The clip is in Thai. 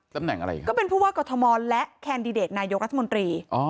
ตำแหน่งอะไรอีกก็เป็นผู้ว่ากอทมและแคนดิเดตนายกรัฐมนตรี